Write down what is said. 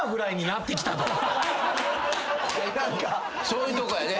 そういうとこやで。